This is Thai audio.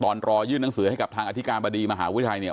รอยื่นหนังสือให้กับทางอธิการบดีมหาวิทยาลัยเนี่ย